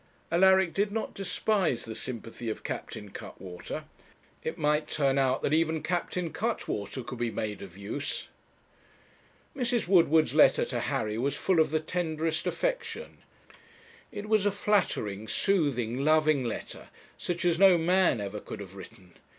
Alaric did not despise the sympathy of Captain Cuttwater. It might turn out that even Captain Cuttwater could be made of use. Mrs. Woodward's letter to Harry was full of the tenderest affection. It was a flattering, soothing, loving letter, such as no man ever could have written.